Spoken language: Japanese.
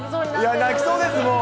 泣きそうです、もう。